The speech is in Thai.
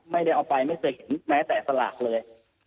ไม่ได้เอาไปไม่เคยเห็นแม้แต่สลากเลย